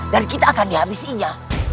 dan kita akan dihabisinya